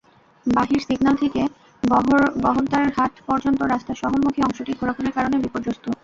বাহির সিগন্যাল থেকে বহদ্দারহাট পর্যন্ত রাস্তার শহরমুখী অংশটি খোঁড়াখুঁড়ির কারণে বিপর্যস্ত।